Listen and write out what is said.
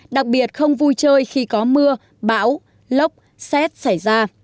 đặc biệt không vui chơi khi có mưa bão lốc xét xảy ra